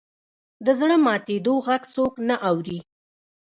د زړه ماتېدو ږغ څوک نه اوري.